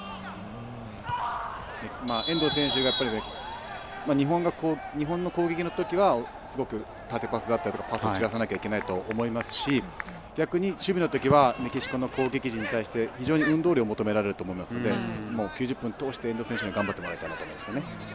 遠藤選手、日本の攻撃の時は縦パスだったりとかパスを散らさないといけないと思いますし逆に守備の時はメキシコの攻撃陣に対して非常に運動量を求められると思いので９０分通して遠藤選手には頑張ってもらいたいですね。